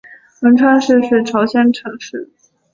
文川市是朝鲜城市。